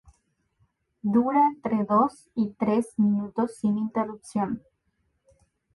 Dura entre dos y tres minutos sin interrupción.